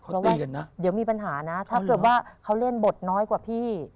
เพราะว่าเดี๋ยวมีปัญหานะถ้าเกิดว่าเขาเล่นบทน้อยกว่าพี่